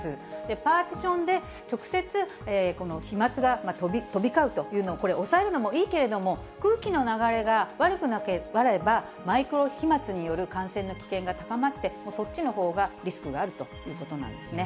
パーティションで直接飛まつが飛び交うというのをこれ、抑えるのもいいけれども、空気の流れが悪くなれば、マイクロ飛まつによる感染の危険が高まって、そっちのほうがリスクがあるということなんですね。